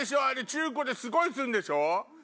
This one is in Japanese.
中古ですごいするんでしょ。